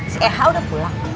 si eha udah pulang